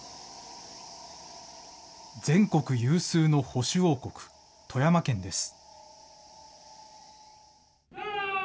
全国有数の保守王国、富山県です。